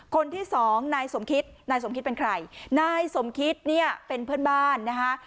คนที่สองนายสมคิดนายสมคิดเป็นใครนายสมคิดเนี่ยเป็นเพื่อนบ้านนะคะ